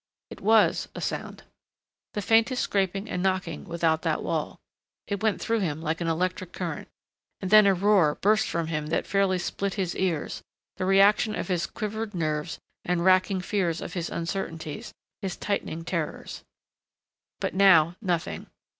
It was a sound. The faintest scraping and knocking without that wall. It went through him like an electric current.... And then a roar burst from him that fairly split his ears, the reaction of his quivered nerves and racking fears of his uncertainties, his tightening terrors. But now nothing.